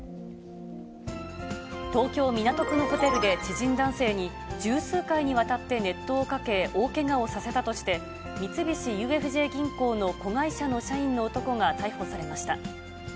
東京・港区のホテルで、知人男性に十数回にわたって熱湯をかけ、大けがをさせたとして、三菱ＵＦＪ銀行の子会社の社員の男が逮捕されました。